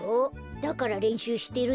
だかられんしゅうしてるんだよ。